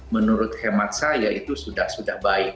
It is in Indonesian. menurut hemat saya itu sudah sudah baik